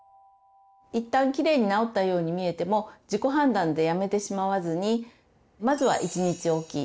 一旦きれいに治ったように見えても自己判断でやめてしまわずにまずは１日おき